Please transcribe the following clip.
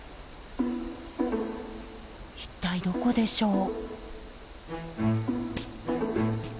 一体どこでしょう？